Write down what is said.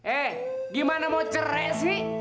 eh gimana mau cerai sih